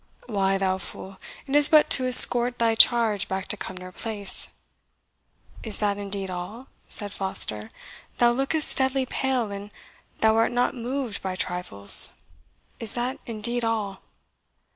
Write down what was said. "Why, thou fool, it is but to escort thy charge back to Cumnor Place." "Is that indeed all?" said Foster; "thou lookest deadly pale, and thou art not moved by trifles is that indeed all?"